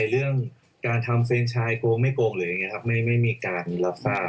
เรื่องการทำเฟรนชายโกงไม่โกงไม่มีการรับฟ้า